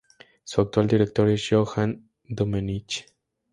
Su actual director es Joan Domenech.